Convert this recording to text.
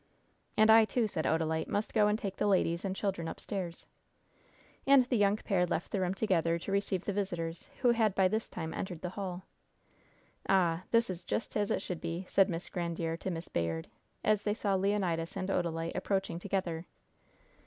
"And I, too," said Odalite, "must go and take the ladies and children upstairs." And the young pair left the room together to receive the visitors, who had, by this time, entered the hall. "Ah, this is just as it should be," said Miss Grandiere to Miss Bayard, as they saw Leonidas and Odalite approaching together.